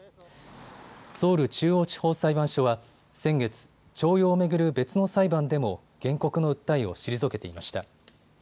ソウル中央地方裁判所は先月、徴用を巡る別の裁判でも原告の訴えを退けていました。